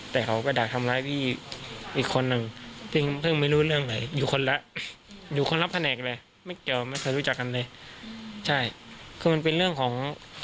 แต่เขาด่าทำร้ายพี่อีกคนนึง